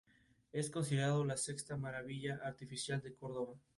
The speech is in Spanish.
Fue militante del Partido Nueva Acción Pública y del Partido Socialista.